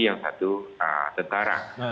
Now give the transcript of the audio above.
yang satu tentara